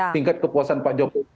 tingkat kepuasan pak jokowi